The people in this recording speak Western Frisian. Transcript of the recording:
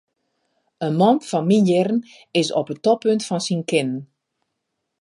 In man fan myn jierren is op it toppunt fan syn kinnen.